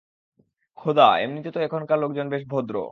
খোদা, এমনিতে তো এখানকার লোকজন বেশ ভদ্র।